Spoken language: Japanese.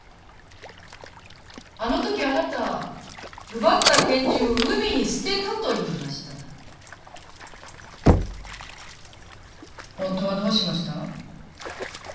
あの時あなた「奪った拳銃を海に捨てた」と言いましたほんとはどうしました？